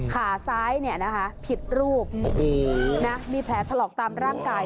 ขาซ้ายเนี้ยนะคะผิดรูปโอ้โหนะมีแผลถลอกตามร่างกาย